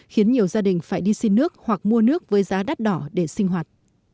khiến nhiều gia đình phải đi xin nước hoặc mua nước với giá đắt đỏ để sinh hoạt